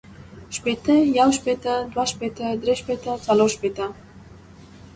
شپیته، یو شپیته، دوه شپیته، درې شپیته، څلور شپیته